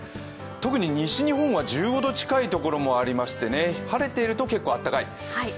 特に西日本は１５度近いところもありまして、晴れていると結構あったかい。